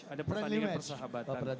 ada pertandingan persahabatan